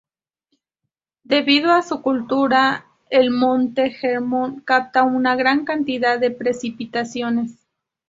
Debido a su altura, el Monte Hermón capta una gran cantidad de precipitaciones.